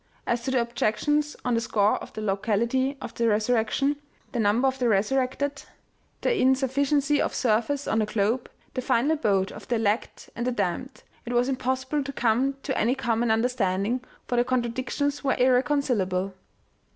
As to the objections on the score of the locality of the resurrection, the number of the resurrected, the insuffi ij2 OMEGA. ciency of surface on the globe, the final abode of the elect and the damned, it was impossible to come to any common understanding for the contradictions were irreconcilable.